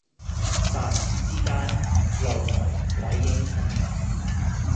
霎時之間，擂台鬼影重重